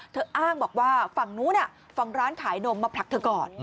อ้างบอกว่าฝั่งนู้นฝั่งร้านขายนมมาผลักเธอก่อน